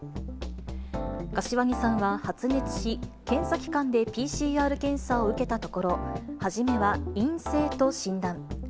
柏木さんは発熱し、検査機関でＰＣＲ検査を受けたところ、初めは陰性と診断。